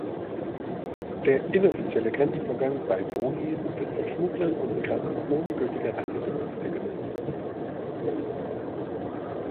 Der inoffizielle Grenzübergang bei Boni wird von Schmugglern und Migranten ohne gültige Reisedokumente genutzt.